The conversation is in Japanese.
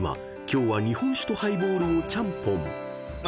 今日は日本酒とハイボールをちゃんぽん］